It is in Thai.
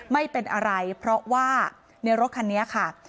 ไม่เป็นอะไรเพราะว่าในรถคันนี้ค่ะ